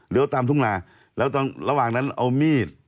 เดี๋ยวตามทุ่งนาแล้วระหว่างนั้นเอามีด